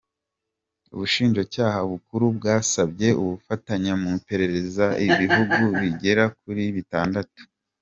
Ubushinjacyaha bukuru bwasabye ubufatanye mu iperereza ibuhugu bigera kuri bitandatu.